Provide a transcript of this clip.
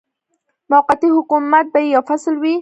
موقتي حکومت به یې یو فصل وي.